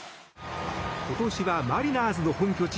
今年はマリナーズの本拠地